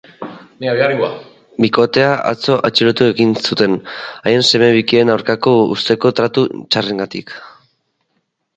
Bikotea atzo atxilotu egin zuten, haien seme bikien aurkako ustezko tratu txarrengatik.